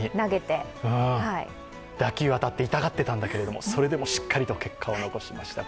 打球が当たって痛がってたんだけれども、それでも結果をしっかりと残しました。